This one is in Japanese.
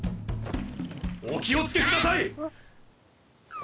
お気を付けください！